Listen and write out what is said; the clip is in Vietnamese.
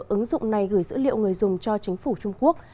ứng dụng này gửi dữ liệu người dùng cho chính phủ trung quốc